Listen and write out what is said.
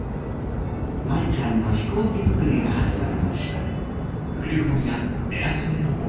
舞ちゃんの飛行機作りが始まりました。